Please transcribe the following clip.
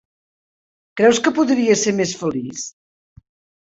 Creus que podria ser més feliç?